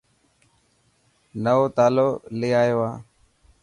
نئو تالو لي آيو هان.